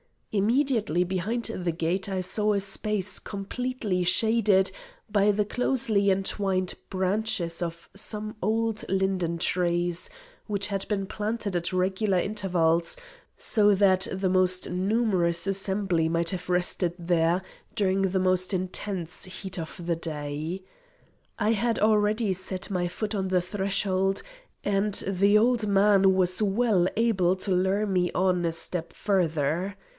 Immediately behind the gate I saw a space completely shaded by the closely entwined branches of some old linden trees, which had been planted at regular intervals, so that the most numerous assembly might have rested there during the most intense heat of the day. I had already set my foot on the threshold, and the old man was well able to lure me on a step further.